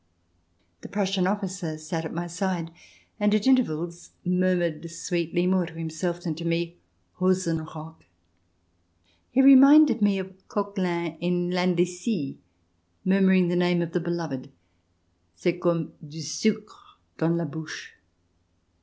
— the Prussian officer sat at my side, and at intervals murmured sweetly, more to himself than to me, *^ Hosen rock r He reminded me of Coquelin in " L'Indecis," murmuring the name of the beloved :" C'est comme du sucre dans la bouche."